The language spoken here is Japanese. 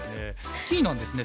スキーなんですね。